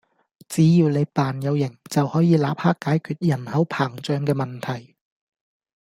只要你扮有型，就可以立刻解決人口膨脹嘅問題